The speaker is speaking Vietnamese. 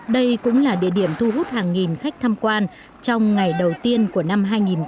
đây cũng là địa điểm thu hút hàng nghìn khách tham quan trong ngày đầu tiên của năm hai nghìn một mươi chín